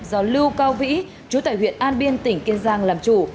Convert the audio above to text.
do lưu cao vĩ chú tại huyện an biên tỉnh kiên giang làm chủ